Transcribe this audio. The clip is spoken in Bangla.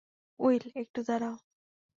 উইল, একটু দাঁড়াও।